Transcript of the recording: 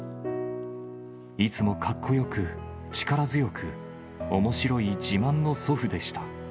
いつもかっこよく、力強く、おもしろい自慢の祖父でした。